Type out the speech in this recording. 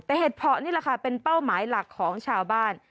แต่เห็ดเพาะนี่แหละค่ะเป็นเป้าหมายหลักของชาวบ้าน